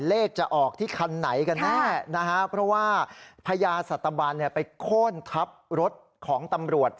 เลขจะออกที่คันไหนกันแน่นะฮะเพราะว่าพญาสัตบันไปโค้นทับรถของตำรวจ